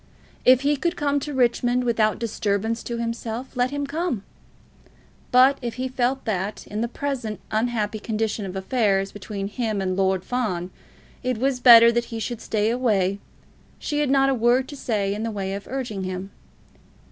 If he could come to Richmond without disturbance to himself, let him come; but if he felt that, in the present unhappy condition of affairs between him and Lord Fawn, it was better that he should stay away, she had not a word to say in the way of urging him.